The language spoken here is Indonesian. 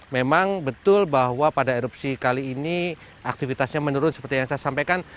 memang betul bahwa pada erupsi kali ini aktivitasnya menurun seperti yang saya sampaikan